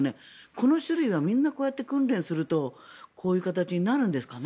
この種類はみんなこうやって訓練するとこういう形になるんですかね。